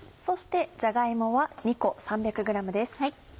そしてじゃが芋は２個３００ｇです。